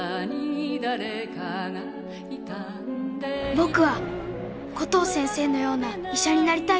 「僕はコトー先生のような医者になりたいです」